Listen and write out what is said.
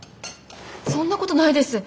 そんなことないです。